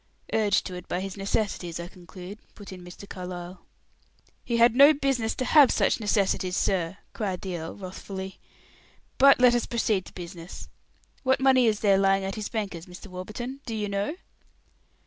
"Urged to it by his necessities, I conclude," put in Mr. Carlyle. "He had no business to have such necessities, sir," cried the earl, wrathfully. "But let us proceed to business. What money is there lying at his banker's, Mr. Warburton? Do you know?"